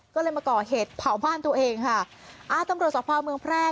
ก็เลยมาก่อเหตุเผาบ้านตัวเองค่ะอ่าตำรวจสอบภาวเมืองแพร่